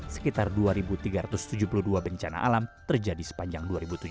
sekitar dua tiga ratus tujuh puluh dua bencana alam terjadi sepanjang dua ribu tujuh belas